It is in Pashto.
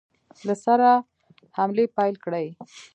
له سره حملې پیل کړې.